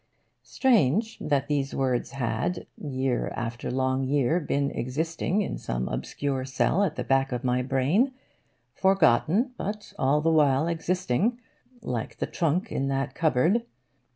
Strange that these words had, year after long year, been existing in some obscure cell at the back of my brain! forgotten but all the while existing, like the trunk in that cupboard.